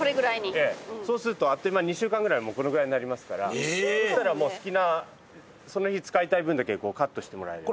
そうするとあっという間に２週間ぐらいでこのぐらいになりますからそしたらもう好きなその日使いたい分だけカットしてもらえれば。